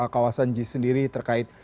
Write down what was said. kawasan jis sendiri terkait